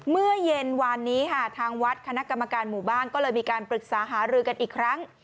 เมื่อเย็นวานนี้ค่ะทางวัดคณะกรรมการหมู่บ้านก็เลยมีการปรึกษาหารือกันอีกครั้ง